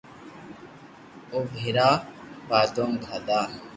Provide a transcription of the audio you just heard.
او ڀآرا بادوم کادا